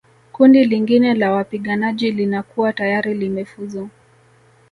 Kundi lingine la wapiganaji linakuwa tayari limefuzu